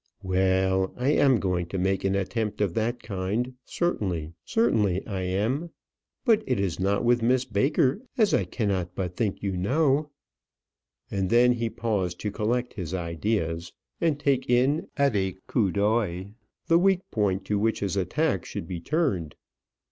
"Well; I am going to make an attempt of that kind, certainly; certainly I am. But it is not with Miss Baker, as I cannot but think you know;" and then he paused to collect his ideas, and take in at a coup d'oeil the weak point to which his attack should be turned.